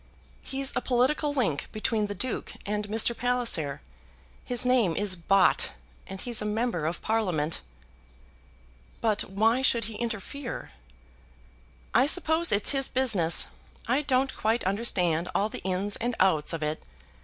"He's a political link between the Duke and Mr. Palliser. His name is Bott, and he's a Member of Parliament." "But why should he interfere?" "I suppose it's his business. I don't quite understand all the ins and outs of it.